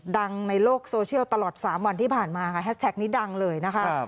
ดังในโลกโซเชียลตลอด๓วันที่ผ่านมาค่ะแฮชแท็กนี้ดังเลยนะคะ